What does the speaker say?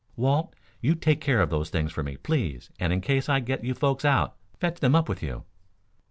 "Walt, you take care of those things for me, please, and in case I get you folks out, fetch them up with you."